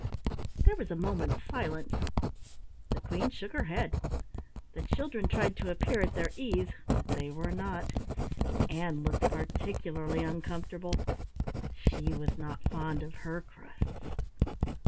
There was a moment's silence. The Queen shook her head. The children tried to appear at their ease, but they were not. Ann looked particularly uncomfortable. She was not fond of her crusts.